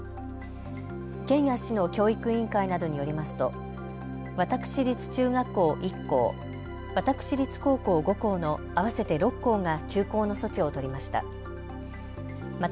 県や市の教育委員会などによりますと私立中学校１校、私立高校５校の合わせて６校が休校の措置を取りました。